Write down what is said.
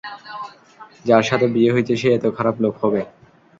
যার সাথে বিয়ে হয়েছে সে এতো খারাপ লোক হবে।